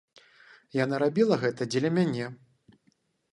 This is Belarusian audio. Яна рабіла гэта дзеля мяне.